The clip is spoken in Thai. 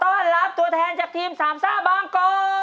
ขอต้อนรับตัวแทนจากทีมสามส้าบองกกกกกกกกกกกกกก